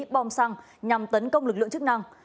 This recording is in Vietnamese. bom xăng nhằm tấn công lực lượng chức năng